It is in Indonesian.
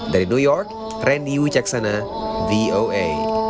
dari new york randy wicaksana voa